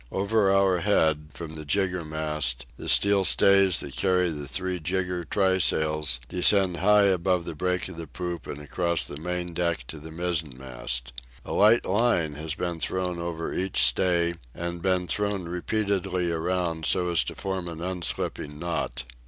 Over our head, from the jiggermast, the steel stays that carry the three jigger trysails descend high above the break of the poop and across the main deck to the mizzenmast. A light line has been thrown over each stay, and been thrown repeatedly around so as to form an unslipping knot.